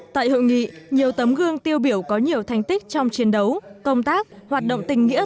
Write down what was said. tại hội nghị nhiều tấm gương tiêu biểu có nhiều thành tích trong chiến đấu công tác hoạt động tình nghĩa